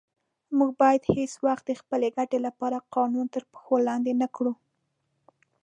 موږ باید هیڅ وخت د خپلې ګټې لپاره قانون تر پښو لاندې نه کړو.